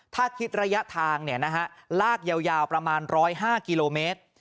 ถ้าคิดระยะทางลากยาวประมาณ๑๐๕กิโลเมตร